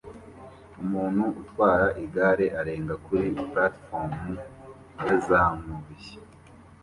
Umuntu utwara igare arenga kuri platifomu yazamuye